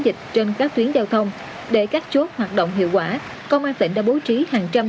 dịch trên các tuyến giao thông để các chốt hoạt động hiệu quả công an tỉnh đã bố trí hàng trăm